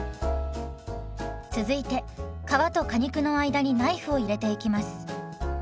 続いて皮と果肉の間にナイフを入れていきます。